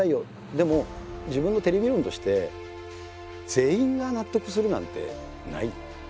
でも自分のテレビ論として全員が納得するなんてない」。